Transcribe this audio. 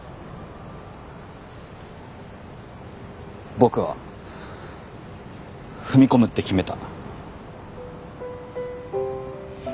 僕は踏み込むって決めた。